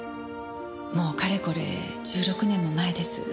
もうかれこれ１６年も前です。